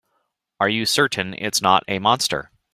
Are you certain it's not a monster?